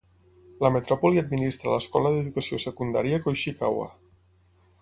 La metròpoli administra l'escola d'educació secundària Koishikawa.